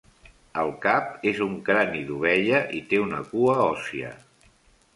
El cap és un crani d'ovella i té una cua òssia.